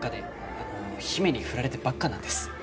あの姫に振られてばっかなんです。